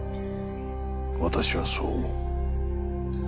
私はそう思う。